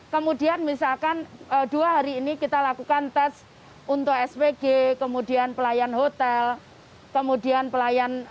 kemudian misalkan dua hari ini kita lakukan tes untuk spg kemudian pelayan hotel kemudian pelayan